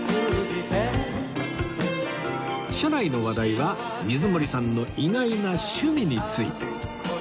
車内の話題は水森さんの意外な趣味について